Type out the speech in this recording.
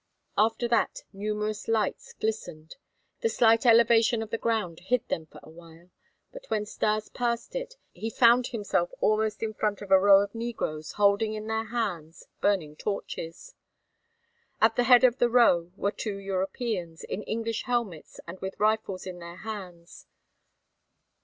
After that numerous lights glistened. The slight elevation of the ground hid them for a while, but when Stas passed it he found himself almost in front of a row of negroes holding in their hands burning torches. At the head of the row were two Europeans, in English helmets and with rifles in their hands.